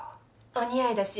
お似合いだし